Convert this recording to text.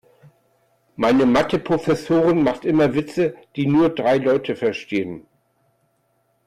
Meine Mathe-Professorin macht immer Witze, die nur drei Leute verstehen.